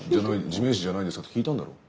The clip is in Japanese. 「地面師じゃないですか？」って聞いたんだろう。